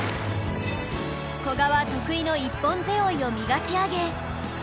古賀は得意の一本背負いを磨き上げ